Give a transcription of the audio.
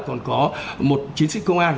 còn có một chiến sĩ công an